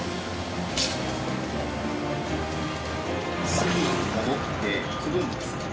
すぐに戻ってくるんですよね？